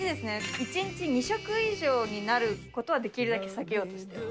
１日２食以上になることは、できるだけ避けようとしています。